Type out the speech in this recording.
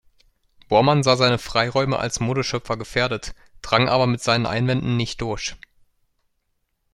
Bormann sah seine Freiräume als Modeschöpfer gefährdet, drang aber mit seinen Einwänden nicht durch.